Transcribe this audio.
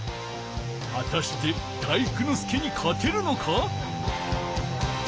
はたして体育ノ介にかてるのか！？